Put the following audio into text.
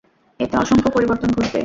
এতে অসংখ্য পরিবর্তন ঘটবে।